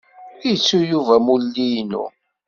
Ittu Yuba amulli-inu.